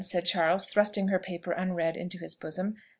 said Charles, thrusting her paper unread into his bosom.